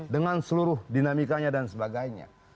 dengan seluruh dinamikanya dan sebagainya